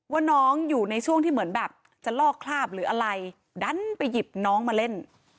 ว่าน้องอยู่ในช่วงที่เหมือนแบบจะลอกคราบหรืออะไรดันไปหยิบน้องมาเล่น